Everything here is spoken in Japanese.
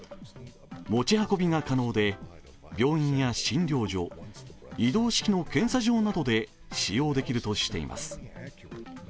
持ち運びが可能で病院や診療所、移動式の検査場などで使用できるとしています。